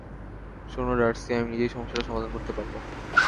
শোন ডার্সি, আমি নিজেই সমস্যাটা সমাধান করতে পারব।